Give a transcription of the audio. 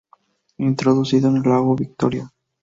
Introducido en el lago Victoria.